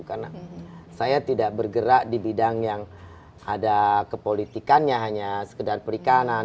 karena saya tidak bergerak di bidang yang ada kepolitikannya hanya sekedar perikanan